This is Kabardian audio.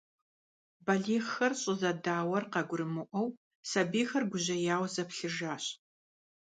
Балигъхэр щӏызэдауэр къагурымыӏуэу, сэбийхэр гужьеяуэ заплъыжащ.